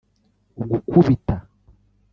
gukubita